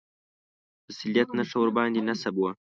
د صلیب نښه ورباندې نصب وه.